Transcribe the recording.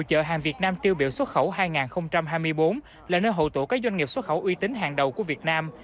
hội chợ hàng việt nam tiêu biểu xuất khẩu hai nghìn hai mươi bốn là nơi hậu tủ các doanh nghiệp xuất khẩu uy tín hàng đầu của việt nam